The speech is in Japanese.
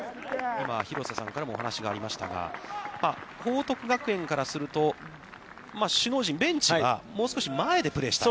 廣瀬さんからもお話がありましたが、報徳学園からすると、首脳陣、ベンチは、もう少し前でプレーしたいと。